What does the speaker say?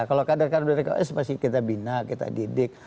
kalau kader kader pks pasti kita bina kita didik